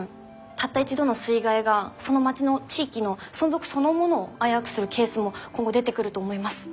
たった一度の水害がその町の地域の存続そのものを危うくするケースも今後出てくると思います。